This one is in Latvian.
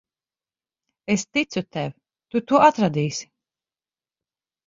Es ticu tev. Tu to atradīsi.